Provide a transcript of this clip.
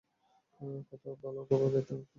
কতো ভালো গাইতেন আপনি।